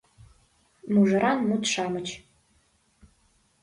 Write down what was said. — Мужыран мут-шамыч.